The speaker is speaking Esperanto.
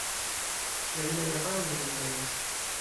La juna japano ne komprenis.